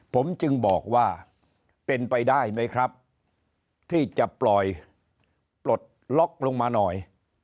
ผมจึงบอกว่าเป็นไปได้ไหมครับที่จะปล่อยปลดล็อกลงมาหน่อย